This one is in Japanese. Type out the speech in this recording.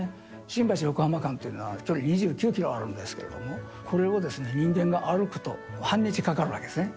新橋・横浜間というのは、距離２９キロあるんですけどね、これを人間が歩くと半日かかるわけですね。